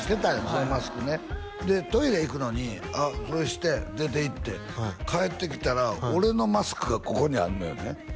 そのマスクねでトイレ行くのにそれして出ていって帰ってきたら俺のマスクがここにあんのよね